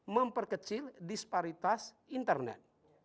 memperkecil disparitas internet